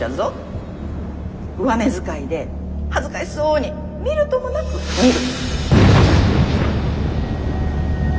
上目使いで恥ずかしそうに見るともなく見る。